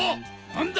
何だ